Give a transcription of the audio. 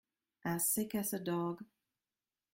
As sick as a dog.